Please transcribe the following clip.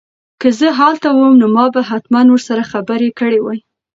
که زه هلته وم نو ما به حتماً ورسره خبرې کړې وای.